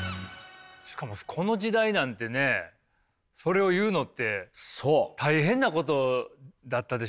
この時代なんてねそれを言うのって大変なことだったでしょうし。